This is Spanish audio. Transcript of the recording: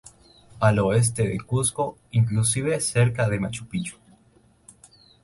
Al oeste de Cuzco, inclusive cerca de Machu Picchu.